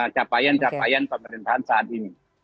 capaian capaian pemerintahan saat ini